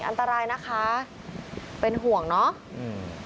อันตรายนะคะเป็นห่วงเนอะอืม